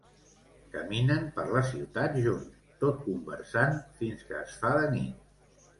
Caminen per la ciutat junts, tot conversant fins que es fa de nit.